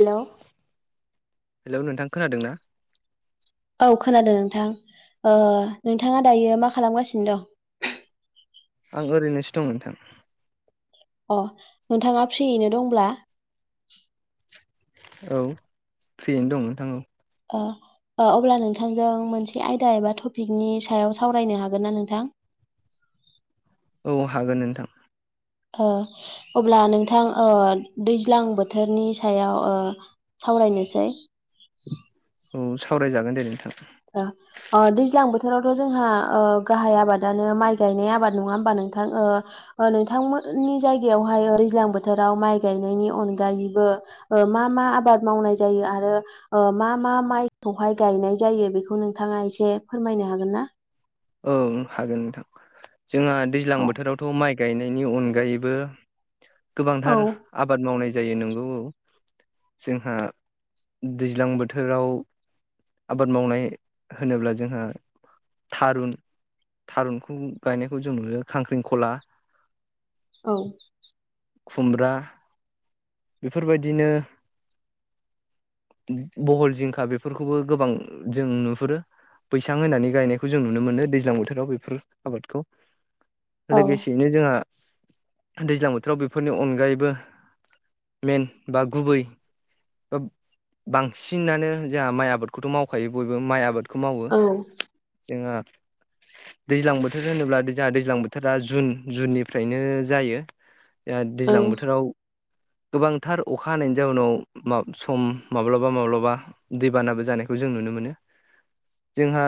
Hello. Hello नोंथां खोनादों ना? औ खोनादों नोंथां। ओ नोंथाङा दायो मा खालामगासिनो दं? आं ओरैनोसो दं नोंथां अ नोंथाङा फ्रियैनो दंब्ला औ फ्रियैनो दं नोंथां औ। ओ ओ अब्ला नोंथांजों मोनसे आयदा एबा टपिकनि सायाव सावरायनो हागोन ना नोंथां? [inaudible] औ हागोन नोंथां। ओ अब्ला नोंथां दैज्लां बोथोरनि सायाव ओ सावरायनोसै। औ सावरायजागोन दे नोंथां। ओ ओ दैज्लां बोथोरावथ' जोंहा गाहाय आबादानो माइ गायनाय आबाद नङा होमबा नों नोंथां, ओ नोंथांमोननि जायगायावहाय दैज्लां बोथोराव माइ गायनायनि अनागायैबो ओ ओ मा मा आबाद मावनाय जायो आरो ओ मा मा माइखौहाय गायनाय जायो बेखौ नोंथाङा एसे फोरमायनो हागोन ना? ओं हागोन नोंथां। जोंहा दैज्लां औ बोथोरावथ' माइ गायनायनि अनगायैबो औ गोबांथार आबाद मावनाय जायो नंगौ औ। जोंहा दैज्लां बोथोराव आबाद मावनाय होनोब्ला जोंहा थारुन थारुनखौ गायनायखौ जों नुयो खांख्रिखला औ। खुमब्रा बेफोरबायदिनो बहल जिंखा बेफोरखौबो गोबां जों नुहुरो। बैसां होनानै गायनायखौ जों नुनो मोनो। दैज्लां बोथोराव बेफोर आबादखौ औ लोगोसेयैनो जोंहा दैज्लां बोथोराव बेफोरनि अनगायैबो मेन‌ बा गुबै बांसिनानो जाहा माइ आबादखौथ' मावखायो बयबो माइ आबाद खौ मावो औ जोंहा दैज्लां बोथोर होनोब्ला जोंहा दैज्लां बोथोरा जुन जुननिफ्रायनो जायो। ओ औ दैज्लां बोथोराव गोबांथार अखा हानायनि जाउनाव सम माब्लाबा माब्लाबा दैबानाबो जानाय बेखौ जों नुनो मोनो जोंहा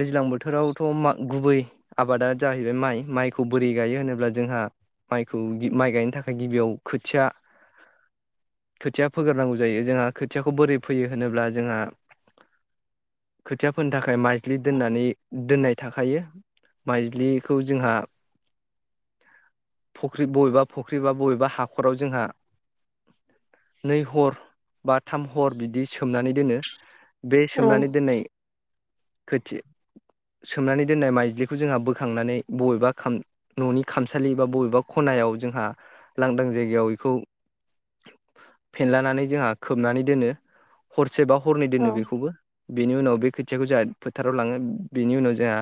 दैज्लां बो थोरावथ' गुबै आबादा जाहैबाय माइ। माइखौ बोरै गायो होनोब्ला जोंहा माइखौ माइ गायनो थाखाय गिबियाव खोथिया [unintelligible] खोथिया फोगोरनांगौ जायो जोंहा खोथियाखौ बोरै फोयो होनोब्ला जोंहा खोथिया फोनो थाखाय मायज्लि दोननानै दोननाय थाखायो माइज्लिखौ जोंहा फख्रि बबेबा फख्रि बा बबेबा हाखराव जोंहा नै हर बा थाम हर बिदि सोमनानै दोनो। बे औ सोमनानै दोननाय खोथि सोमनानै दोननाय माइज्लिखौ जोंहा बोखांनानै बबेबा खाम न'नि खामसालि बा बबेबा खनायाव आव जोंहा लांदां जायगायाव बेखौ। [unintelligible] फेनलानानै जोंहा खोबनानै दोनो हरसेबा हरनै दोनो बेखौबो बेनि उनाव बे खोथियाखौ जाहा फोथाराव लाङो बेनि उनाव जाहा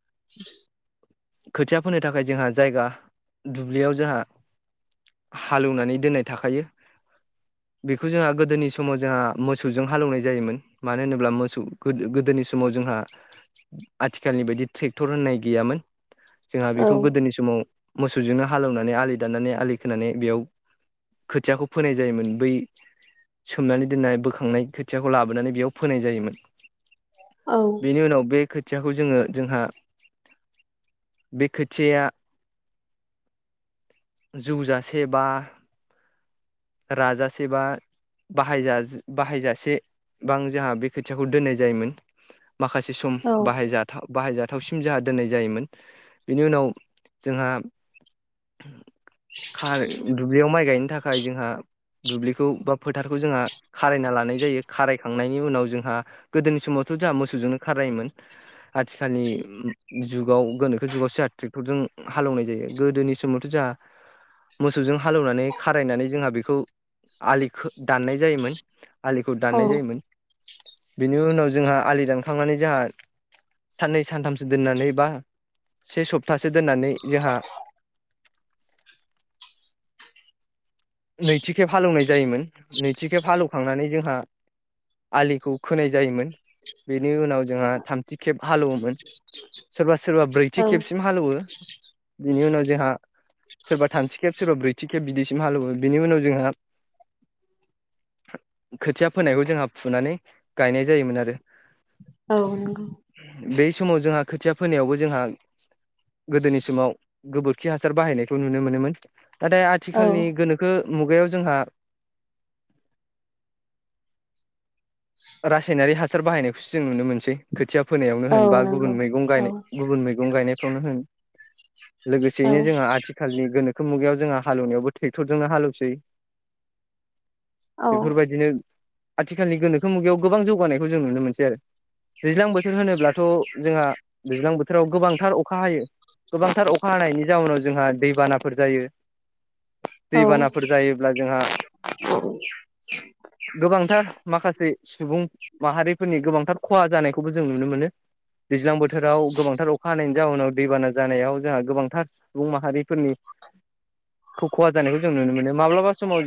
[unintelligible] खोथिया फोनो थाखाय जोंहा जायगा दुब्लियाव जाहा हालेवनानै दोननाय थाखायो। [unintelligible] बेखौ जोंहा गोदोनि समाव जोंहा मोसौजों हालौवनाय जायोमोन मानो होनोब्ला मोसौ गोदोनि समाव जों जोंहा आथिखालनि बायदि ट्रेक्टर होननाय गैयामोन जोंहा औ बेखौ गोदोनि समाव मोसौजोंनो हालेवनानै आलि दाननानै आलि खोनानै बेयाव खोथियाखौ फोनाय जायोमोन बै सोमनानै दोननाय बोखांनाय खोथियाखौ लाबोनानै बेयाव फोनाय जायोमोन। बेनि उनाव बे खोथियाखौ जोङो जोंहा बे खोथिया‌‌ आ जौजासे बा। राजा सेबा बाहाय बाहायजासेबां जोंहा बे खोथियाखौ दोननाय जायोमोन। माखासे सम औ बाहायजाथाव बाहायजाथावसिम जोंहा दोननाय जायोमोन। बेनि उनाव जोंहा खार दुब्लियाव माइ गायनो थाखाय जोंहा दुब्लिखौ बा फोथारखौ जोंहा खारायना लानाय जायो खारायखांनायनि उनाव जोंहा गोदोनि। समावथ' जाहा मोसौजोंनो खारायोमोन आथिखालनि जुगाव गोनोखो जुगावसो जों हालौनाय जायो गोदोनि समावथ' जोंहा मोसौजों हालेवनानै खारायनानै जोंहा बे खौ आलिखो दाननाय जायोमोन आलिखौ औ दाननाय जायोमोन। बेनि उनाव जोंहा आलि दानखांनानै जाहा। साननै सानथामसो दोननानै बा से सप्तासे दोननानै जाहा [unintelligible] नैथिखेब हालौवनाय जायोमोन नैथिखेब हालौवखांनानै जोंहा आलिखौ खोनाय जायोमोन बेनि उनाव जोंहा थामथि खेब हालेवोमोन। सोरबा सोरबा ब्रैथि खेबसिम हालेवो। बिनि उनाव जोंहा सोरबा थामथि खेब सोरबा ब्रैथि खेब बिदिसिम हालेवो। बेनि उनाव जोंहा खोथिया फोनायखौ जोंहा फुनानै गायनाय जायोमोन आरो। औ बै समाव जोंहा खोथिया फोनायावबो जोंहा गोदोनि समाव गोबोरखि हासार बाहायनायखौ नुनो मोनोमोन नाथाय आथिखालनि औ गोनोखो मुगायाव जोंहा रासायनारि हासार बाहायनायखौसो जों नुनो मोनसै खोथिया फोनायावनो औ होन बा नंगौ गुबुन मैगं औ गायनाय गुबुन मैगं गायनायफ्रावनो होन लोगोसेयैनो औ जोंहा आथिखालनि गोनोखो मुगायाव जोंहा हालौनायावबो ट्रेक्टरजोंनो हालौसै बेफोरबायदिनो आथिखालनि गोनोखो मुगायाव गोबां जौगानायखौ जों नुनो मोनसै आरो। दैज्लां बोथोर होनोब्लाथ' जोंहा दैज्लां बोथोराव गोबांथार अखा हायो। गोबांथार अखा हानायनि जाउनाव जोंहा दैबानाफोर जायो। औ दैबानाफोर जायोब्ला जोंहा गोबांथार माखासे सुबुं माहारिफोरनि गोबांथार खहा जानायखौबो जों नुनो मोनो। दैज्लां बोथोराव गोबांथार अखा हानायनि जाउनाव दैबाना जानायाव जोंहा गोबांथार सुबुं माहारि फोरनि ख-खहा जानायखौ जों नुनो मोनो माब्लाबा समाव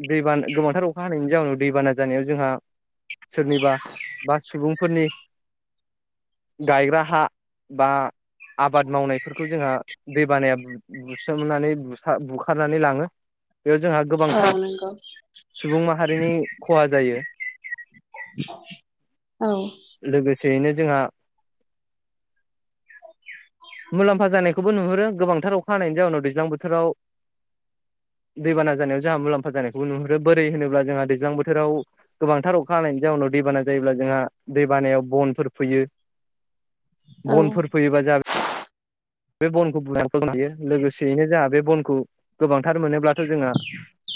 [unintelligible] दैबाना गोबांथार अखा हानायनि जाउनाव दैबाना जानायाव जोंहा सोरनिबा बा सुबुंफोरनि [inaudible] गायग्रा हा बा आबाद मावनायफोरखौ जोंहा दैबानाया बुसोमनानै [inaudible] बुखारनानै लाङो। बेयाव जोंहा औ गोबांथार नंगौ सुबुं माहारिनि खहा जायो। औ [unintelligible] जोंहा [inaudible] मुलाम्फा जानायखौबो नुहुरो गोबांथार अखा हानायनि जाउनाव दैज्लां बोथोराव दैबाना जानायाव जोंहा मुलाम्फा जानायखौ नुहुरो बोरै होनोब्ला जोंहा दैज्लां बोथोराव गोबांथार अखा हानायनि जाउनाव दैबाना जायोब्ला जोंहा दैबानायाव बनफोर फैयो। औ बनफोर फैयोबा [inaudible] बे बनखौ [unintelligible] हायो लोगोसेयैनो जाहा बे बनखौ गोबां थार मोनोब्लाथ' जोङा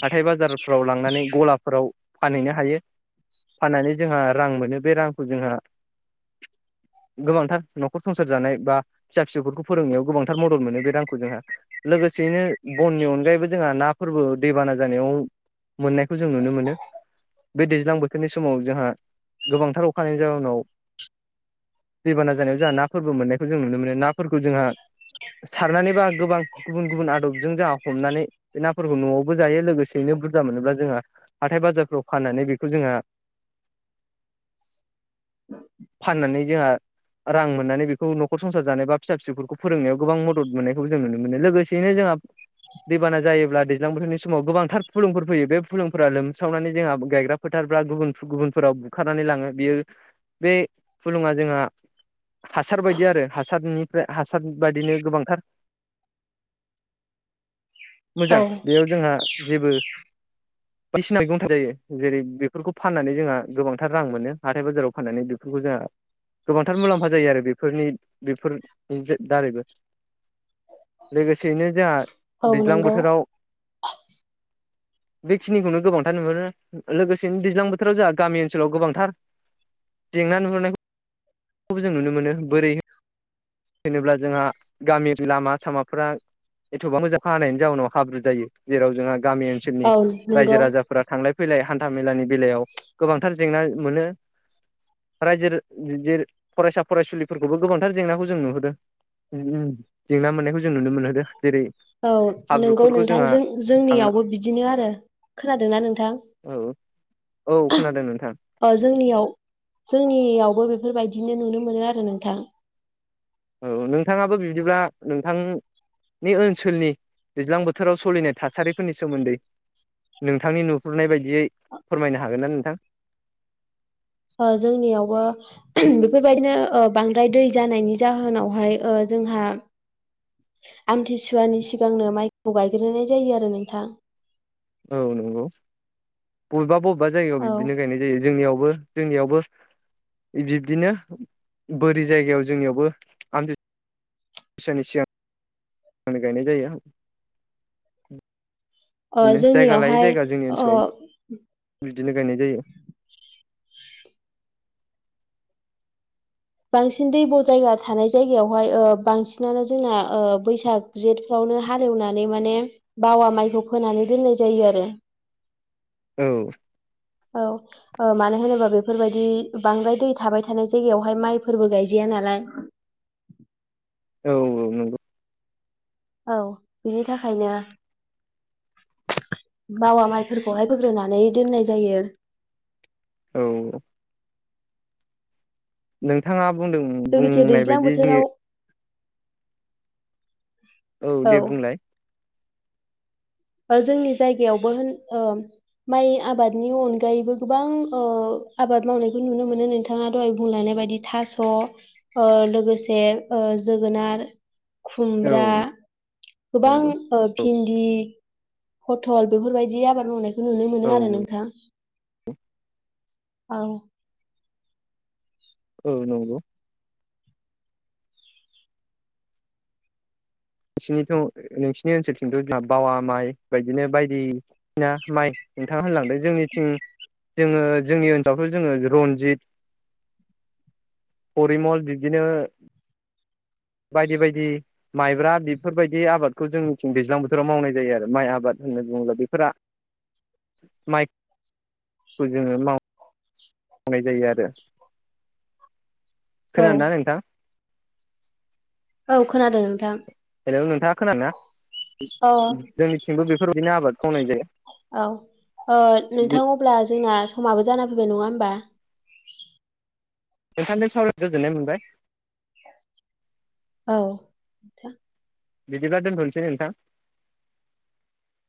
हाथाय बाजारफ्राव लांनानै गलाफोराव फानहैनो हायो। फाननानै जोंहा रां मोनो बे रांखौ जोंहा गोबांथार न'खर संसार जानाय बा फिसा फिसौफोरखौ फोरोंनायाव गोबांथार मदद मोनो बे रांखौ जोंहा लोगोसेयैनो बननि अनगायैबो जोंहा नाफोरबो दैबाना ना जानायाव मोननायखौ जों नुनो मोनो। बे दैज्लां बोथोरनि समाव जोंहा गोबांथार अखा हानायनि जाउनाव दैबाना जानायाव जाहा नाफोरबो मोननायखौ जों नुनो मोनो नाफोरखौ जोंहा सारनानै बा गोबां गुबुन गुबुन आदबजों जाहा हमनानै बे नाफोरखौ न'आवबो जायो लोगोसेयैनो बुरजा मोनोब्ला जोंहा हाथाय बाजारफ्राव फाननानै बेखौ जोंहा [inaudible] फाननानै जोंहा रां मोननानै बेखौ न'खर संसार जानाय बा फिसा फिसौफोरखौ फोरोंनायाव गोबां मदद मोननायखौबो जों नुनो मोनो लोगोसेयैनो जोंहा दैबाना जायोब्ला दैज्लां बोथोरनि समाव गोबांथार फुलुंफोर फैयो बे फुलुंफोरा लोमस्रावनानै जोंहा गायग्रा फोथार [inaudible] गुबुन गुबुनफोराव बुखारनानै लाङो बेयो बे फुलुङा जोंहा हासार बायदि आरो हासारनि ओमफ्राय हासार बादिनो गोबांथार औ मोजां बेयाव जोंहा जेबो [inaudible] बायदिसिना दंथार जायो जेरै बेफोरखौ फाननानै जोंहा गोबांथार रां मोनो हाथाय बाजाराव फाननानै बेफोरखौ जों जोंहा गोबांथार मुलाम्फा जायो आरो बेफोरनि बेफोर दारैबो लोगोसेयैनो जोंहा औ दैज्लां नंगौ बोथोराव [inaudible] बेखिनिखौनो गोबांथार नुहरो लोगोसेनो दैज्लां बोथोराव जोंहा गामि ओनसोलाव गोबांथार जेंना नुहुरनायखौ बेखौबो जों नुनो मोनो बोरै जेनेब्ला जोंहा गामि लामा सामाफोरा एथ'बां मोजां अखा हानायनि जाहोनाव हाब्रुद जायो जेराव जोंहा गामि ओनसोलनि औ रायजो नंगौ राजाफोरा थांलाय फैलाय हान्था मेलानि बेलायाव गोबांथार जेंना मोनो रायजो फरायसा फरायसुलिफोरखौबो गोबांथार जेंनाखौ जों नुहरो [unintelligible] जेंना मोननायखौ जों नुनो मोनहरो औ नंगौ नोंथाङ थांना जों-जोंनियावबो बिदिनो आरो खोनादोंना नोंथां? औ औ खोनादों नोंथां अ जोंनियाव जोंनियावबो बेफोरबायदिनो नुनो मोनो आरो नोंथां औ नोंथाङाबो बिदिब्ला नोंथां नि ओनसोलनि दैज्लां बोथोराव सलिनाय थासारिफोरनि सोमोन्दै नोंथांनि नुहुरनाय बायदियै फोरमायनो हागोन ना नोंथां? [inaudible] ओ जोंनियावबो बेफोरबायदिनो बांद्राय दै जानायनि जाहोनावहाय ओ जोंहा आमथिसुवानि सिगांनो माइखौ गायग्रोनाय जायो आरो नोंथां औ नंगौ बबेबा बबेबा जायगायाव औ बिदिनो गायनाय जायो जोंनियाव बो जोंनियावबो बिब्दिनो बोरि जायगायाव जोंनियावबो आमथि सुवानि सिगां नों गायनाय जायो ओ बिदिनो जायगा लायै जोंनियावहाय जायगा जोंनि ओ ओनसोलाव बिदिनो गायनाय जायो बांसिन दैब जायगा थानाय जायगायावहाय ओ बांसिनानो जोंना बैसाग जेठफ्राव नो हालेवनानै माने बावा माइखौ फोनानै दोननाय जायो आरो औ औ औ मानो होनोबा बेफोरबायदि बांद्राय दै थाबाय थानाय जायगायावहाय माइफोरबो गायजाया नालाय औ औ नंगौ औ बिनि थाखायनो भावा माइफोरखौहाय बोग्रोनानै दोननाय जायो औ नोंथाङा बुंदों लोगोसे बुंनाय दैज्लां बायदि जे बोथोराव औ दे बुंलाय जोंनि जायगायावबो होन--ओ माइ आबादनि अनगायैबो गोबां ओ आबाद मावनायखौ नुनो मोनो नोंथाङा दहाय बुंलायनाय बायदि थास ओ लोगोसे ओ जोगोनार औ खुमब्रा गोबां नंगौ ओ भिन्दि फटल बेफोरबायदि आबाद मावनायखौ नुनो मोनो औ आरो नोंथाङ औ औ नंगौ नोंसिनिथ नोंसिनि ओनसोलथिंथ [unintelligible] बावा माइ बायदिनो बायदिसिना माइ नोंथाङा होनलांदों जोंनिथिं जोङो जोंनि ओनसोलावथ जोङो रनजित परिमल बिबदिनो बायदि बायदि माइब्रा बेफोरबायदि आबादखौ जोंनिथिं दैज्लां बोथोराव मावनाय जायो आरो माइ आबाद होनना बुङोब्ला बेफोरा माइ खौ जोङो माव नाय जायो आरो खोनादोंना नोंथां? औ खोनादों नोंथां हेलौ नोंथाङा खोनादोंना अ जोंनिथिंबो बेफोरबायदिनो आबादखौ मावनाय जायो औ ओ नोंथां अब्ला जोंना समाबो जाना फैबाय नङा होमबा? नोंथांजों सावरायना गोजोननाय मोनबाय औ नोंथां बिदिबा दोनथनोसै नोंथां